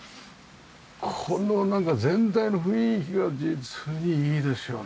このなんか全体の雰囲気が実にいいですよね。